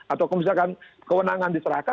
atau kemudian kewenangan diserahkan